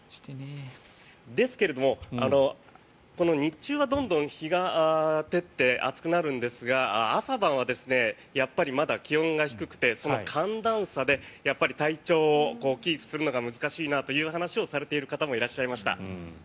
ですけれど、日中はどんどん日が照って暑くなるんですが朝晩はやっぱりまだ気温が低くて寒暖差で体調をキープするのが難しいなという話をされている方もいらっしゃいました。